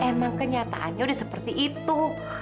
emang kenyataannya udah seperti itu